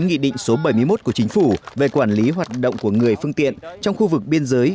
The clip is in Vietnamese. nghị định số bảy mươi một của chính phủ về quản lý hoạt động của người phương tiện trong khu vực biên giới